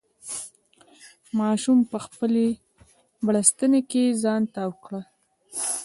ماشوم په خپلې بړستنې کې ځان تاو کړ.